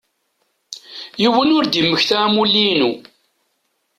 Yiwen ur d-yemmekta amulli-inu.